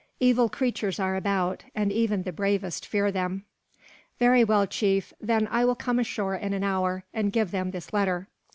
Evil creatures are about, and even the bravest fear them." "Very well, chief; then I will come ashore in an hour, and give them this letter."